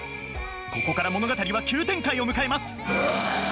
ここから物語は急展開を迎えます。